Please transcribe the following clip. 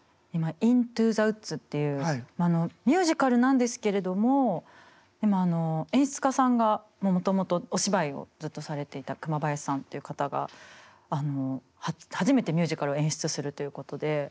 今「イントゥ・ザ・ウッズ」っていうミュージカルなんですけれどもでも演出家さんがもともとお芝居をずっとされていた熊林さんっていう方が初めてミュージカルを演出するということで。